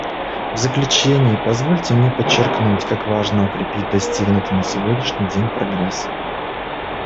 В заключение позвольте мне подчеркнуть, как важно укрепить достигнутый на сегодняшний день прогресс.